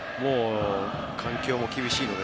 環境も厳しいので。